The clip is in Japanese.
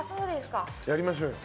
やりましょうよ。